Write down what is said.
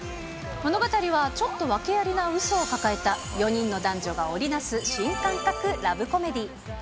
物語はちょっと訳ありなうそを抱えた４人の男女が織り成す新感覚ラブコメディー。